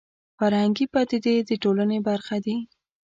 فرهنګي پدیدې د ټولنې برخه دي